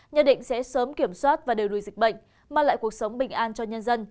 nhận định sẽ sớm kiểm soát và đều đùi dịch bệnh mang lại cuộc sống bình an cho nhân dân